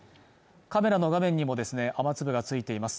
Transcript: カメラの画面にも雨粒がついています